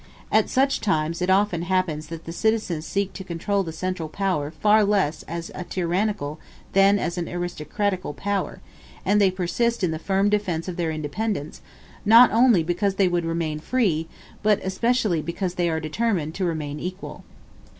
At such times it often happens that the citizens seek to control the central power far less as a tyrannical than as an aristocratical power, and that they persist in the firm defence of their independence, not only because they would remain free, but especially because they are determined to remain equal.